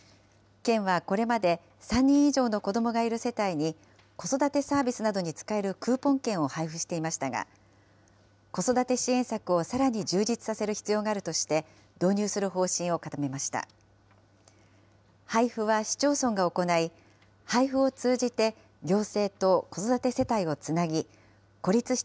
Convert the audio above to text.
県はこれまで、３人以上の子どもがいる世帯に、子育てサービスなどに使えるクーポン券を配付していましたが、子育て支援策をさらに充実させる必要があるとして、導入する方針を固めました。